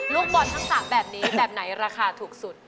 ลูกบอลทั้ง๓แบบนี้แบบไหนราคาถูกสุด